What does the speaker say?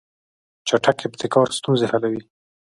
چټک ابتکار ستونزې حلوي.